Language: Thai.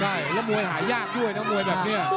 ใช่แล้วมวยหายากด้วยนะมวยแบบนี้